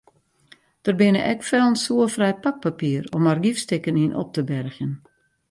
Der binne ek fellen soerfrij pakpapier om argyfstikken yn op te bergjen.